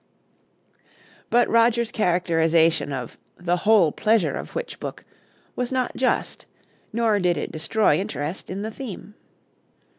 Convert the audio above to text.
But Roger's characterization of "the whole pleasure of which booke" was not just, nor did it destroy interest in the theme.